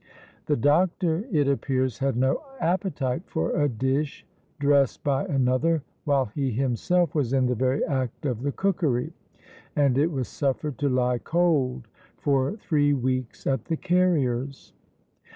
The doctor, it appears, had no appetite for a dish dressed by another, while he himself was in the very act of the cookery; and it was suffered to lie cold for three weeks at the carrier's.